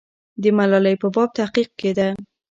د ملالۍ په باب تحقیق کېده.